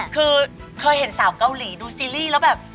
คือเคยเห็นสาวเกาหลีดูซีรีส์แล้วแบบ